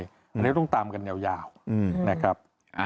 อันนี้ต้องตามกันยาวนะครับ